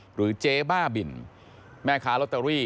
เจ๊บ้าบินแม่ค้าลอตเตอรี่